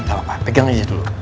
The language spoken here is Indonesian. gapapa pegang aja dulu